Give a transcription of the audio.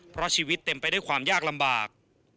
เพราะชีวิตเต็มไปด้วยความยากลำบาก